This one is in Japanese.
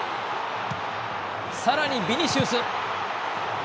さらにビニシウス。